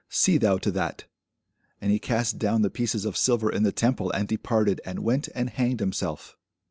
see thou to that. And he cast down the pieces of silver in the temple, and departed, and went and hanged himself.